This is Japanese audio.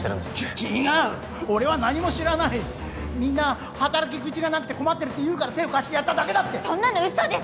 違う俺は何も知らないみんな働き口がなくて困ってるっていうから手を貸してやっただけだってそんなの嘘です！